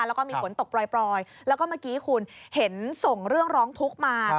แล้วก็มีฝนตกปล่อยแล้วก็เมื่อกี้คุณเห็นส่งเรื่องร้องทุกข์มา